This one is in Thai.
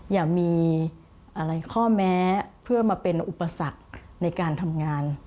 อย่ามีอะไรข้อแม้เพื่อมาเป็นอุปสรรคในการทำงาน